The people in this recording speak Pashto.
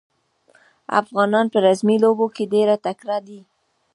افغانان په رزمي لوبو کې ډېر تکړه دي.